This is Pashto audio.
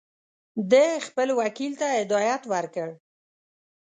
ده خپل وکیل ته هدایت ورکړ.